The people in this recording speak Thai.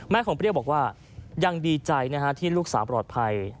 ของเปรี้ยวบอกว่ายังดีใจที่ลูกสาวปลอดภัย